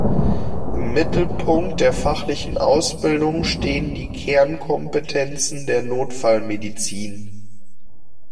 Im Mittelpunkt der fachlichen Ausbildung stehen die Kernkompetenzen der Notfallmedizin.